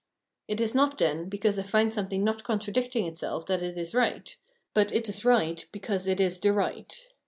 It is not, then, because I find something not contradicting itself that it is right ; but it is right because it is the right.